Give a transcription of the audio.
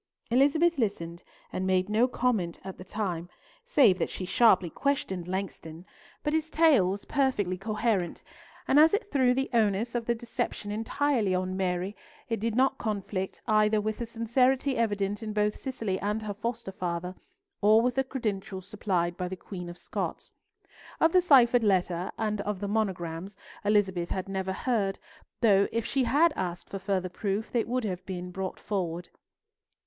Elizabeth listened, and made no comment at the time, save that she sharply questioned Langston; but his tale was perfectly coherent, and as it threw the onus of the deception entirely on Mary, it did not conflict either with the sincerity evident in both Cicely and her foster father, or with the credentials supplied by the Queen of Scots. Of the ciphered letter, and of the monograms, Elizabeth had never heard, though, if she had asked for further proof, they would have been brought forward.